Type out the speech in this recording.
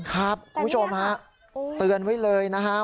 ครับคุณผู้ชมพาเตือนไว้เลยนะฮะ